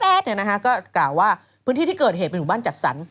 ก็กล่าวว่าพื้นที่ที่เกิดเหตุเป็นหมู่บ้านจัดสรร